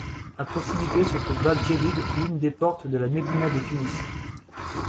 À proximité se trouve Bab Jedid, l'une des portes de la médina de Tunis.